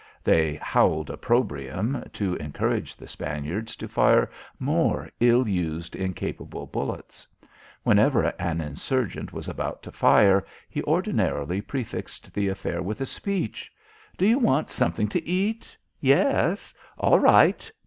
They howled opprobrium to encourage the Spaniards to fire more ill used, incapable bullets. Whenever an insurgent was about to fire, he ordinarily prefixed the affair with a speech. "Do you want something to eat? Yes? All right."